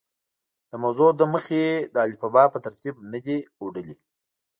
د موضوع له مخې د الفبا په ترتیب نه دي اوډلي.